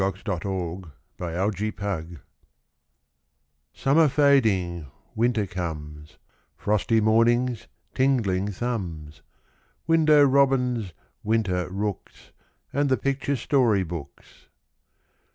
PICTURE BOOKS IN WINTER Summer fading, winter comes Frosty mornings, tingling thumbs, Window robins, winter rooks, And the picture story books.